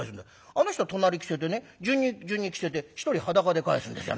「あの人隣着せてね順に着せて一人裸で帰すんですよ」。